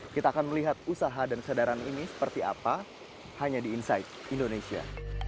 kita akan melihat usaha dan kesadaran ini seperti apa hanya di inside indonesia